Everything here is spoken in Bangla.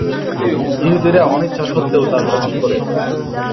ইহুদিরা অনিচ্ছা স্বত্ত্বেও তা গ্রহণ করে।